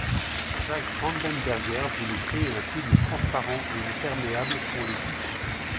Jacques Brandenberger voulait créer un film transparent et imperméable pour les tissus.